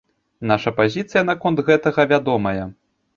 Наша пазіцыя наконт гэтага вядомая.